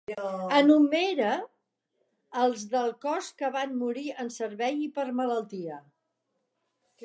Enumera els del cos que van morir en servei i per malaltia.